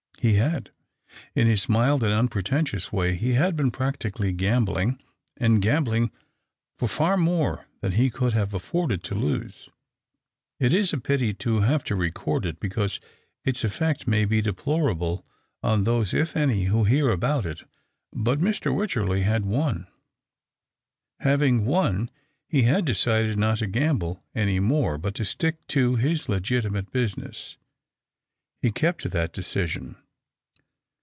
He had. In his mild and unpretentious way he had been practically Camljlino;, and oamblino for far more than he could have afforded to lose. It is a pity to have to record it, because its effect may ]3e deplorable on those — if any — who hear about it, but Mr. Wycherley had won. Having won, he had decided not to gamble any more, but to stick to his legitimate business. He kept to that decision.